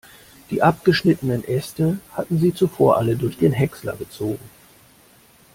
Die abgeschnittenen Äste hatten sie zuvor alle durch den Häcksler gezogen.